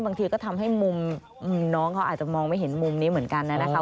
บางทีก็ทำให้มุมน้องเขาอาจจะมองไม่เห็นมุมนี้เหมือนกันนะคะ